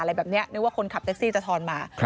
อะไรแบบนี้นึกว่าคนขับแท็กซี่จะทอนมา